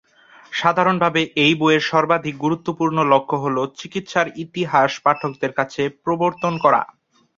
সাধারণভাবে, এই বইয়ের সর্বাধিক গুরুত্বপূর্ণ লক্ষ্য হ'ল চিকিৎসার ইতিহাস পাঠকদের কাছে প্রবর্তন করা।